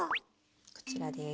こちらです。